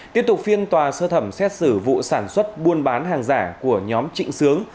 tiếp tục phiên tòa sơ thẩm xét xử vụ sản xuất buôn bán hàng giả của nhóm trịnh sướng